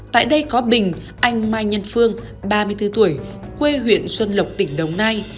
tại đây có bình anh mai nhân phương ba mươi bốn tuổi quê huyện xuân lộc tỉnh đồng nai